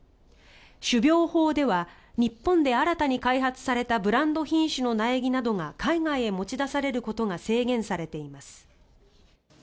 種苗法では日本で新たに開発されたブランド品種の苗木などが海外へ持ち出されることが制限されています。